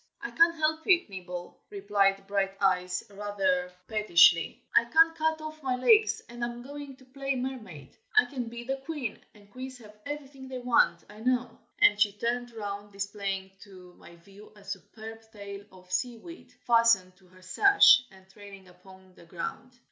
"I can't help it, Nibble!" replied Brighteyes, rather pettishly. "I can't cut off my legs, and I am going to play mermaid. I can be the queen, and queens have everything they want, I know." And she turned round, displaying to my view a superb tail of seaweed, fastened to her sash, and trailing upon the ground.